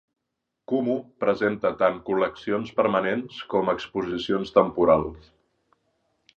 Kumu presenta tant col·leccions permanents com exposicions temporals.